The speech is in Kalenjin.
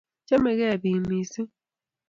chamegei pik missing